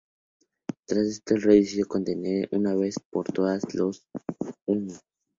Tras esto el rey decidió contener de una vez por todas a los hunos.